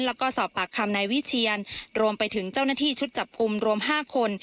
แล้วก็สอบปากคำนายวิเชียนรวมไปถึงเจ้าหน้าที่ชุดจับกลุ่มรวม๕คน